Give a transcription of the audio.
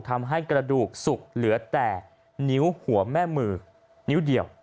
ทำให้กระดูกสุกเหลือแต่นิ้วหัวแม่มือนิ้วเดียว